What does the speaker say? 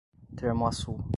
Termoaçu